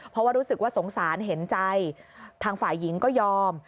เพราะว่ารู้สึกว่าสงสารเห็นใจทางฝ่ายหญิงก็ยอม